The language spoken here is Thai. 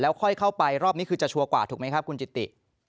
ค่อยเข้าไปรอบนี้คือจะชัวร์กว่าถูกไหมครับคุณจิติ